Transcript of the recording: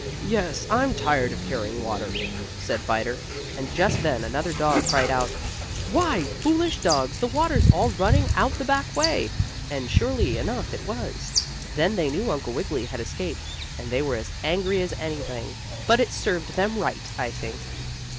"Yes, I'm tired of carrying water," said Biter. And just then another dog cried out: "Why, foolish dogs, the water's all running out the back way!" And, surely enough, it was. Then they knew Uncle Wiggily had escaped, and they were as angry as anything, but it served them right, I think.